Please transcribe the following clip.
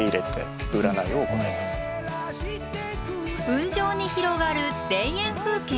雲上に広がる田園風景！？